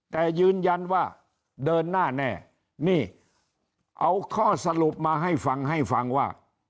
แต่ยืนยันว่าเดินหน้าแน่นี่เอาข้อสรุปมาให้ฟังให้ฟังว่า